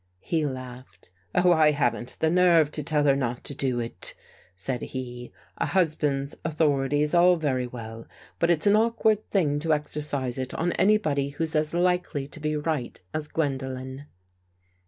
" He laughed. " Oh, I haven't the nerve to tell her not to do it," said he. " A husband's authority is all very well, but it's an awkward thing to exer cise it on anybody who's as likely to be right as Gwendolen."